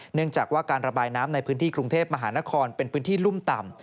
เนื่องจากว่าการระบายน้ำในพื้นที่กรุงเทพมหานครเป็นพื้นที่รุ่มต่ำ